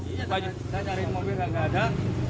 iya saya cari mobilnya enggak ada